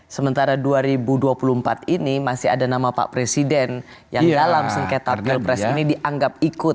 sementara dua ribu dua puluh empat ini masih ada nama pak presiden yang dalam sengketa pilpres ini dianggap ikut